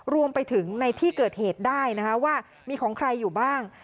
รวมไปถึงในที่เกิดเหตุได้นะคะว่ามีของใครอยู่บ้าง